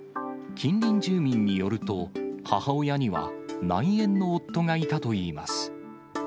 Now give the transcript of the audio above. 近隣住民によると、母親には内縁の夫がいたといいます。